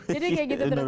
jadi kayak gitu terus